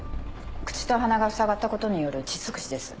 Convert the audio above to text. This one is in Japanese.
口と鼻がふさがったことによる窒息死です。